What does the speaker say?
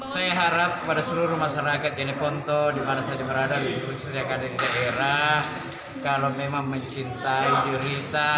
saya harap kepada seluruh masyarakat jeneponto di mana saja berada di seluruh daerah kalau memang mencintai diri kita